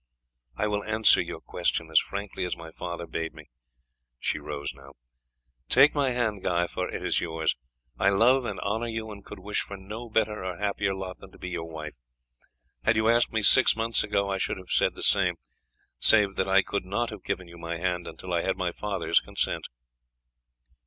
I will answer your question as frankly as my father bade me." She rose now. "Take my hand, Guy, for it is yours. I love and honour you, and could wish for no better or happier lot than to be your wife. Had you asked me six months ago I should have said the same, save that I could not have given you my hand until I had my father's consent."